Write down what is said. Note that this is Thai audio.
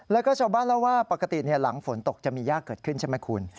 แล้วก็ชาวบ้านเล่าว่าปกติหลังฝนตกจะมียากเกิดขึ้นใช่ไหมคุณ